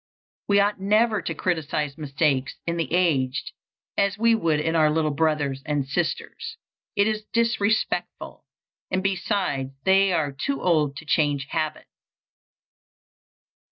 We ought never to criticise mistakes in the aged as we would in our little brothers and sisters: it is disrespectful; and besides they are too old to change habits.